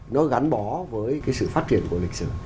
nó gắn bó với cái sự phát triển của lịch sử